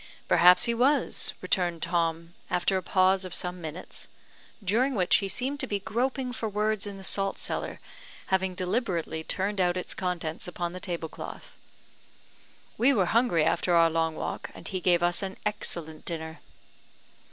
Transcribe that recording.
"Perhaps he was," returned Tom, after a pause of some minutes, during which he seemed to be groping for words in the salt cellar, having deliberately turned out its contents upon the tablecloth. "We were hungry after our long walk, and he gave us an excellent dinner."